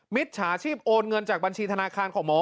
มิจฉาชีพโอนเงินจากบัญชีธนาคารของหมอ